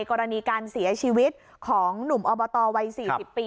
กรณีการเสียชีวิตของหนุ่มอบตวัย๔๐ปี